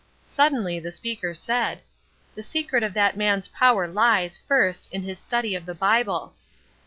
Suddenly the speaker said: "The secret of that man's power lies, first, in his study of the Bible."